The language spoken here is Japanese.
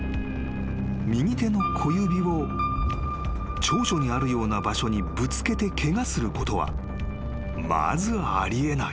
［右手の小指を調書にあるような場所にぶつけてケガすることはまずあり得ない］